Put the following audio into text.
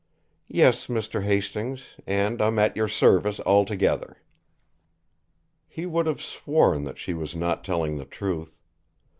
"Yes, Mr. Hastings and I'm at your service altogether." He would have sworn that she was not telling the truth.